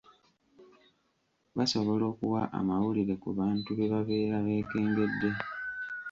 Basobola okuwa amawulire ku bantu be babeera beekengedde .